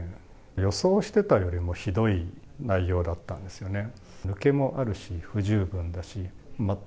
予想してたよりもひどい内容だったんですよね。